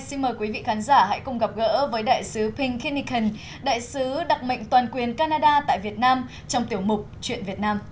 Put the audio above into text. trong chương trình hôm nay chúng tôi sẽ gặp lại ping kinnikin đại sứ đặc mệnh toàn quyền canada tại việt nam trong tiểu mục chuyện việt nam